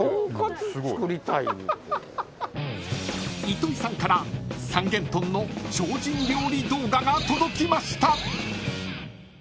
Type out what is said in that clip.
［糸井さんから三元豚の超人料理動画が届きました］